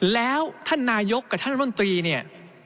แล้วท่านนายกกับท่านรัฐมนตรีเนี่ย